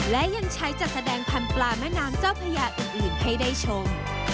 และยังใช้จัดแสดงพันธุ์ปลาแม่น้ำเจ้าพญาอื่นให้ได้ชม